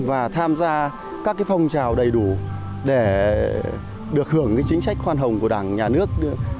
và tham gia các phong trào đầy đủ để được hưởng chính sách khoan hồng của đảng nhà nước